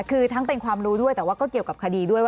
คือทั้งเป็นความรู้ด้วยแต่ว่าก็เกี่ยวกับคดีด้วยว่า